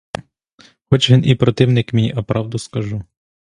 Хоч він і противник мій, а правду скажу.